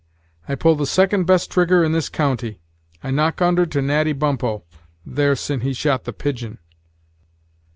"I pull the second best trigger in this county. I knock under to Natty Bumppo, there, sin' he shot the pigeon."